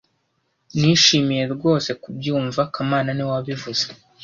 Nishimiye rwose kubyumva kamana niwe wabivuze